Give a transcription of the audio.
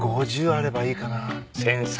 あればいいかな。